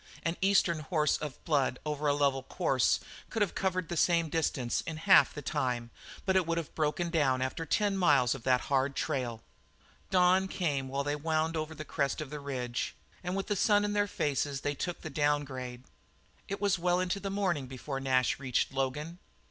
An Eastern horse of blood over a level course could have covered the same distance in half the time, but it would have broken down after ten miles of that hard trail. Dawn came while they wound over the crest of the range, and with the sun in their faces they took the downgrade. It was well into the morning before Nash reached Logan.